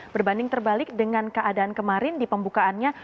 berbanding terbalik dengan keadaan kemarin di pembukaannya